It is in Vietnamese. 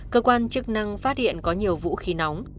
cơ quan chức năng phát hiện có nhiều vũ khí nóng